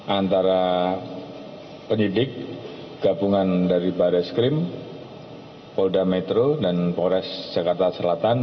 antara penyidik gabungan dari baris krim polda metro dan polres jakarta selatan